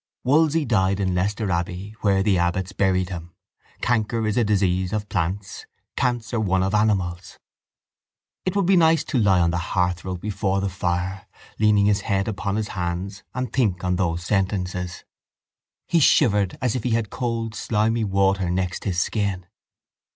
Wolsey died in Leicester Abbey Where the abbots buried him. Canker is a disease of plants, Cancer one of animals. It would be nice to lie on the hearthrug before the fire, leaning his head upon his hands, and think on those sentences. He shivered as if he had cold slimy water next his skin.